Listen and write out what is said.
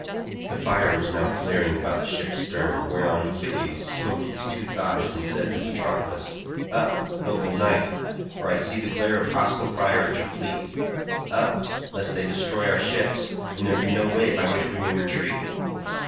The fire was now flaring about the ship's stern, whereon Achilles smote his two thighs and said to Patroclus, "Up, noble knight, for I see the glare of hostile fire at our fleet; up, lest they destroy our ships, and there be no way by which we may retreat.